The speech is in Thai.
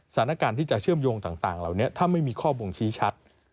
สถานการณ์ที่จะเชื่อมโยงต่างเหล่านี้ถ้าไม่มีข้อบ่งชี้ชัด